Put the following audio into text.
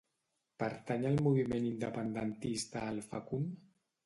Pertany al moviment independentista el Facund?